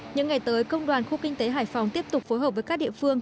những ngày tới công đoàn khu kinh tế hải phòng tiếp tục phối hợp với các địa phương